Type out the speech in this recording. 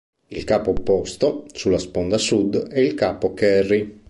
Il capo opposto, sulla sponda sud, è il capo Kerry.